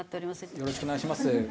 よろしくお願いします。